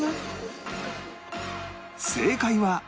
正解は